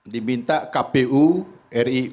diminta kpu ri